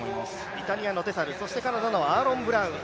イタリアのデサル、カナダのアーロン・ブラウン。